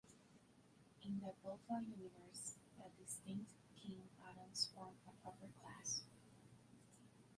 In the Boffa universe, the distinct Quine atoms form a proper class.